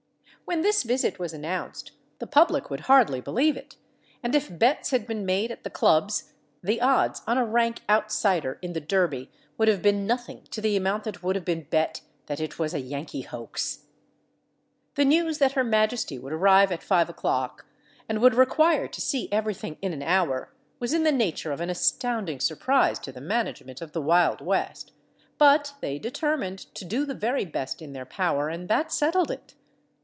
When this visit was announced the public would hardly believe it, and if bets had been made at the clubs, the odds on a rank outsider in the Derby would have been nothing to the amount that would have been bet that it was a Yankee hoax. The news that her majesty would arrive at 5 o'clock and would require to see everything in an hour was in the nature of an astounding surprise to the management of the Wild West; but they determined to do the very best in their power, and that settled it.